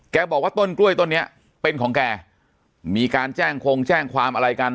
บอกว่าต้นกล้วยต้นนี้เป็นของแกมีการแจ้งคงแจ้งความอะไรกัน